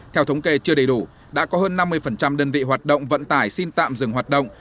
theo thống kê chưa đầy đủ đã có hơn năm mươi đơn vị hoạt động vận tải xin tạm dừng hoạt động